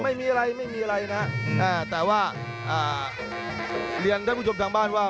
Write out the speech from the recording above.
ไม่มีอะไรไม่มีอะไรนะอืมอ่าแต่ว่าอ่าเรียนได้ผู้ชมทางบ้านว่า